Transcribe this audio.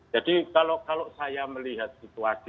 jadi kalau saya melihat situasi